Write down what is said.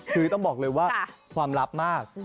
คือต้องบอกเลยว่าความลับมาก